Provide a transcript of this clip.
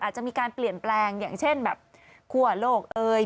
อาจจะมีการเปลี่ยนแปลงอย่างเช่นแบบคั่วโลกเอ่ย